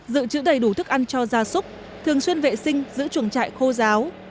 giữ chữ đầy đủ thức ăn cho da súc thường xuyên vệ sinh giữ chuồng trại khô giáo